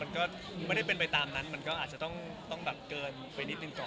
มันก็ไม่ได้เป็นไปตามนั้นมันก็อาจจะต้องแบบเกินไปนิดหนึ่งก่อน